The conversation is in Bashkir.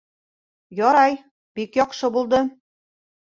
— Ярай, бик яҡшы булды.